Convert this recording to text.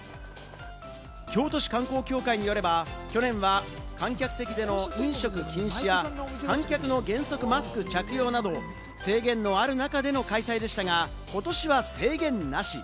京都市観光協会によれば、去年は観客席での飲食禁止や観客の原則マスク着用など、制限のある中での開催でしたが、ことしは制限なし。